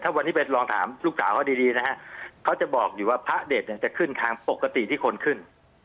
วันนี้ไปลองถามลูกสาวเขาดีนะฮะเขาจะบอกอยู่ว่าพระเด็ดเนี่ยจะขึ้นทางปกติที่คนขึ้น